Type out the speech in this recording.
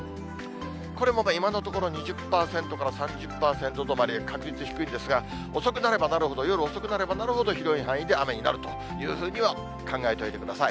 これも今のところ、２０％から３０％止まりで、確率低いんですが、遅くなればなるほど、夜遅くなればなるほど、広い範囲で雨になるというふうには考えておいてください。